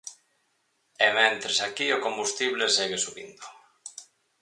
E mentres aquí, o combustible segue subindo.